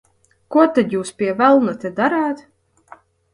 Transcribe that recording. Ko tad jūs, pie velna, te darāt?